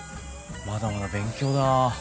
まだまだ勉強だ。